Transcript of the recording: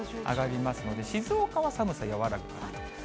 上がりますので、静岡は寒さ、和らぐかな。